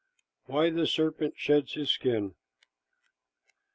WHY THE SERPENT SHEDS HIS SKIN.